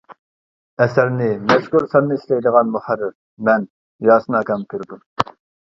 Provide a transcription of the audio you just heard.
ئەسەرنى مەزكۇر ساننى ئىشلەيدىغان مۇھەررىر، مەن، ياسىن ئاكام كۆرىدۇ.